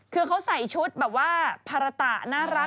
คือเขาใส่ชุดแบบว่าภาระตะน่ารัก